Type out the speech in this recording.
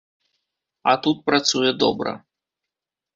А тут працуе добра.